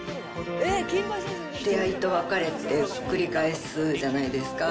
出会いと別れって繰り返すじゃないですか。